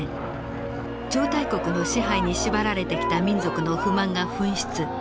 超大国の支配に縛られてきた民族の不満が噴出。